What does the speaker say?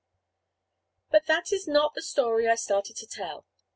But that is not the story I started to tell.